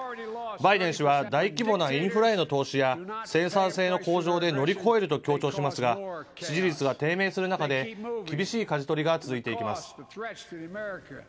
バイデン氏は大規模なインフラへの投資や、生産性の向上で乗り越えると強調しましたが、支持率が低迷する中で、厳しいかじ取りが続いていきます。